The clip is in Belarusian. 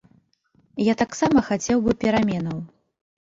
Я таксама хацеў бы пераменаў.